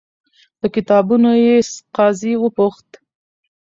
له کتابونو یې. قاضي وپوښت،